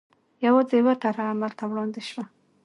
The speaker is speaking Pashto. یوازې یوه طرحه عمل ته وړاندې شوه.